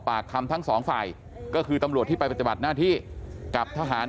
ปากคำทั้งสองฝ่ายก็คือตำรวจที่ไปปฏิบัติหน้าที่กับทหาร